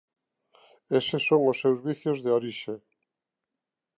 Eses son os seus vicios de orixe.